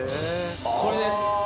これです。